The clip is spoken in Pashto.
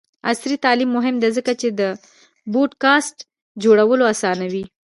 عصري تعلیم مهم دی ځکه چې د پوډکاسټ جوړولو اسانوي.